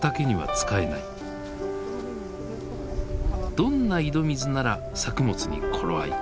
どんな井戸水なら作物に頃合いか。